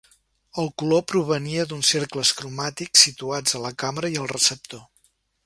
El color provenia d'uns cercles cromàtics situats a la càmera i al receptor.